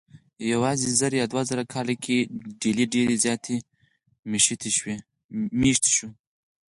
یواځې زر یا دوه زره کاله کې ډلې ډېرې زیاتې مېشتې شوې.